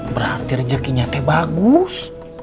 berarti rezekinya teh bagus